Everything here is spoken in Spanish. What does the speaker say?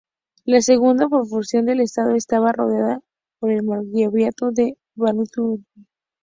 La segunda porción del Estado estaba rodeada por el Margraviato de Brandeburgo-Ansbach.